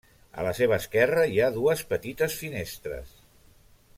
A la seva esquerra hi ha dues petites finestres.